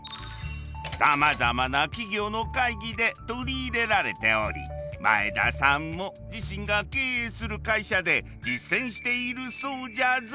さまざまな企業の会議で取り入れられており前田さんも自身が経営する会社で実践しているそうじゃぞ。